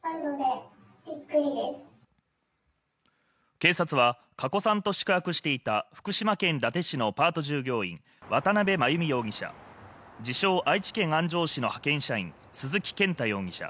警察は加古さんと宿泊していた福島県伊達市のパート従業員、渡邉真由美容疑者、自称・愛知県安城市の派遣社員鈴木健太容疑者